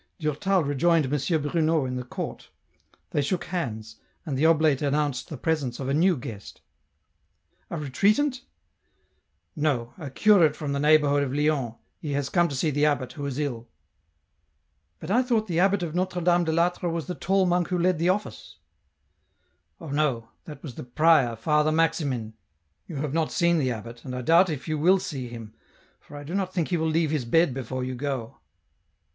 Durtal rejoined M. Bruno in the court ; they shook hands, and the oblate announced the presence of a new guest. " A retreatant ?"" No ; a curate from the neighbourhood of Lyons, he has come to see the abbot, who is ill." 1 82 EN ROUTE. " But T thought the abbot of Notre Dame de I'Atre was the tall monk who led the office ?"" Oh no ; that was the prior Father Maximin, you have not seen the abbot, and I doubt if you will see him, for I do not think he will leave his bed before you go."